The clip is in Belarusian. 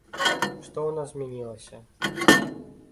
Што ў нас змянілася?